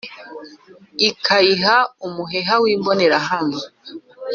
Ikayiha umuheha w’ imboneranye